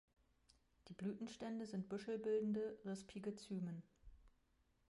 Die Blütenstände sind Büschel bildende, rispige Zymen.